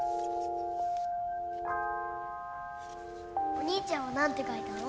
お兄ちゃんはなんて書いたの？